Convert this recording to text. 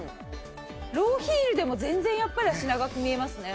ローヒールでも全然やっぱり脚長く見えますね。